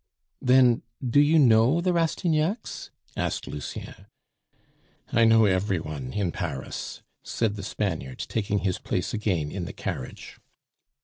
"Then, do you know the Rastignacs?" asked Lucien. "I know every one in Paris," said the Spaniard, taking his place again in the carriage.